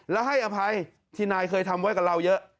และให้อภัยที่นายเคยทำไว้กับเราเยอะ